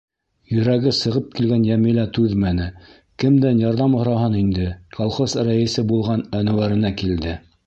Йөрәге сығып килгән Йәмилә түҙмәне, кемдән ярҙам һораһын инде, колхоз рәйесе булған Әнүәренә килде.